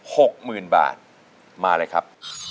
หกหมื่นบาทมาเลยครับ